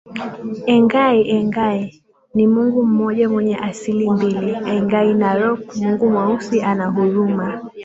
Engai Engai ni Mungu mmoja mwenye asili mbili Engai Narok Mungu Mweusi ana huruma